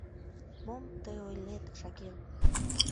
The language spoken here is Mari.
— Мом тый ойлет, Шакир!